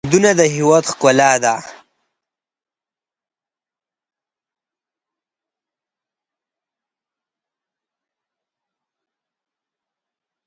سیندونه د هیواد ښکلا ده.